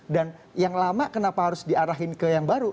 yang lama kenapa harus diarahin ke yang baru